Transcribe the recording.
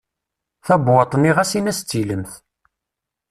Tabewwaṭ-nni ɣas in-as d tilemt.